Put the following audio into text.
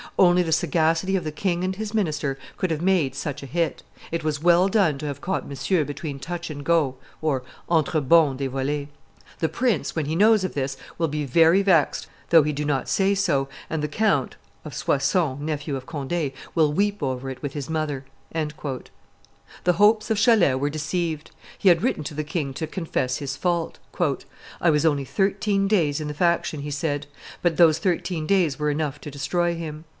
Only the sagacity of the king and his minister could have made such a hit; it was well done to have caught Monsieur between touch and go (entre bond et volee). The prince, when he knows of this, will be very vexed, though he do not say so, and the count (of Soissons, nephew of Conde) will weep over it with his mother." The hopes of Chalais were deceived. He had written to the king to confess his fault. "I was only thirteen days in the faction," he said; but those thirteen days were enough to destroy him.